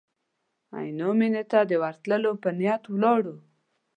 عینو مېنې ته د ورتلو په نیت ولاړو.